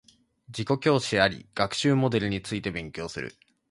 自己教師あり学習モデルについて勉強する